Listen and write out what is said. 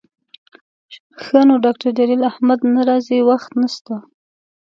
ښه نو ډاکتر جلیل احمد نه راځي، وخت نسته